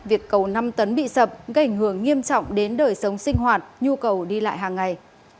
việc cầu năm tấn bị sập gây ảnh hưởng nghiêm trọng đến đời sống sinh hoạt nhu cầu đi lại hàng ngày